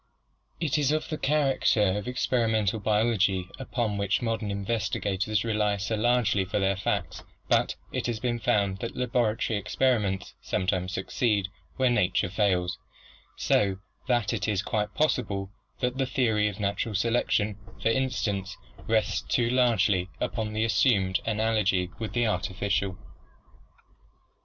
It is of the char acter of experimental biology upon which modern investigators rely so largely for their facts; but it has been found that laboratory experiments sometimes succeed where nature fails, so that it is quite possible that the theory of natural selection, for instance, rests too largely upon an assumed analogy with the artificial.